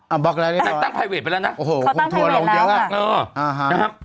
อ้าวบอกแล้วเรียกต่อคงถั่วลงเดี๋ยวค่ะโอ้โหเขาตั้งไพเวทไปแล้วน่ะ